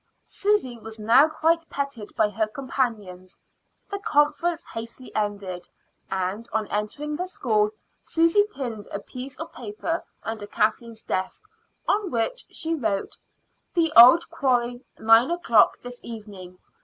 Susy was now quite petted by her companions. The conference hastily ended, and on entering the school Susy pinned a piece of paper under Kathleen's desk, on which she wrote: "The old quarry; nine o'clock this evening.